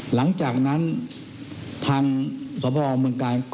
หลังจากนั้นทางสภาวะบริการเมืองกลางประเทศ